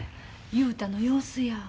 雄太の様子や。